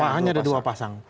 hanya ada dua pasang